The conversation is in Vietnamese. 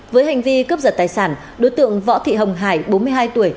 với hành vi cướp giật tài sản đối tượng võ thị hồng hải bốn mươi hai tuổi